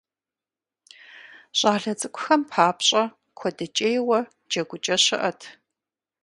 ЩӀалэ цӀыкӀухэм папщӏэ куэдыкӏейуэ джэгукӀэ щыӏэт.